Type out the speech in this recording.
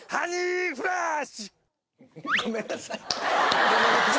ごめんなさい